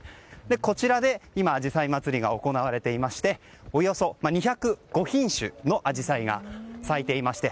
こちらであじさい祭が行われていましておよそ２０５品種のアジサイが咲いていまして。